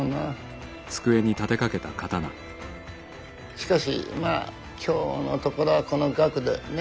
しかしまあ今日のところはこの額で。ね。